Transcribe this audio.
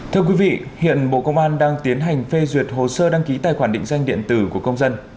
thưa quý vị hiện bộ công an đang tiến hành phê duyệt hồ sơ đăng ký tài khoản định danh điện tử của công dân